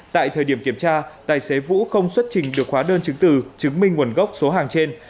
tại thời điểm kiểm tra tài xế vũ không xuất trình được khóa đơn chứng từ chứng minh nguồn gốc số hàng trên